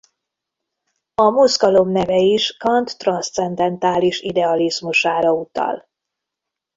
A mozgalom neve is Kant transzcendentális idealizmusára utal.